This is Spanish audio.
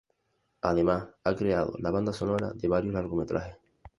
Además, ha creado la banda sonora de varios largometrajes.